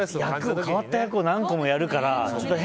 変わった役も何個もやるからね。